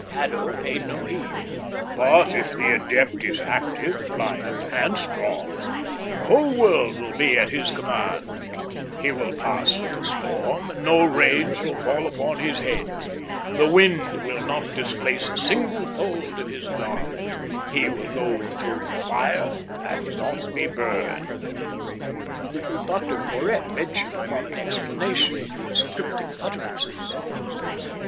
Haddo paid no heed. "But if the adept is active, pliant, and strong, the whole world will be at his command. He will pass through the storm and no rain shall fall upon his head. The wind will not displace a single fold of his garment. He will go through fire and not be burned." Dr Porhoët ventured upon an explanation of these cryptic utterances.